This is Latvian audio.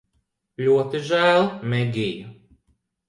Ļoti žēl, Megij